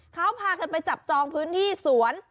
เขาพากันไปจับจองพื้นที่สวน